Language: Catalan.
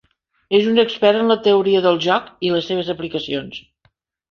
És un expert en la teoria del joc i les seves aplicacions.